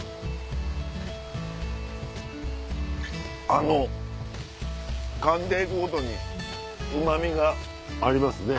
あのかんで行くごとにうま味がありますね。